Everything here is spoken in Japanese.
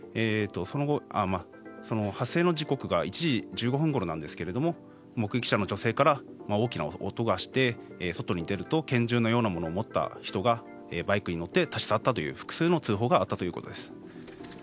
発生時刻は１時１５分ごろなんですが目撃者の女性から大きな音がして、外に出ると拳銃のようなものを持った人がバイクに乗って立ち去ったという複数の通報があったということです。